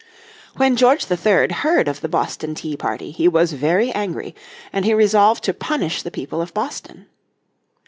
When George III heard of the Boston Tea Party he was very angry, and he resolved to punish the people of Boston.